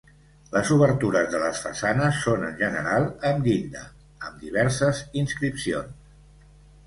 Les obertures de les façanes són en general amb llinda, amb diverses inscripcions.